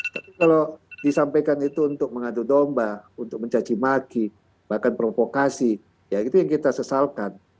tapi kalau disampaikan itu untuk mengadu domba untuk mencacimaki bahkan provokasi ya itu yang kita sesalkan